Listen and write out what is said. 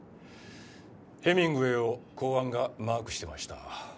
ヘミングウェイを公安がマークしてました。